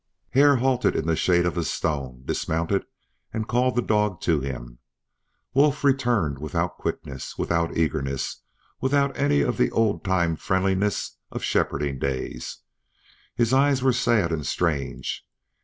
Hare halted in the shade of a stone, dismounted and called the dog to him. Wolf returned without quickness, without eagerness, without any of the old time friendliness of shepherding days. His eyes were sad and strange.